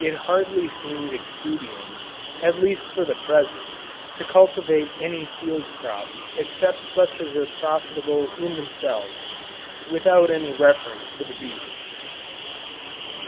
It hardly seems expedient, at least for the present, to cultivate any field crops except such as are profitable in themselves, without any reference to the bees.